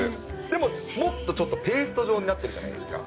でも、もっとちょっとペースト状になってるじゃないですか。